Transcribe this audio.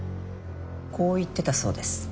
こう言ってたそうです。